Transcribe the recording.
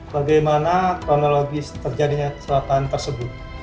bagaimana kronologi terjadinya kesalahan tersebut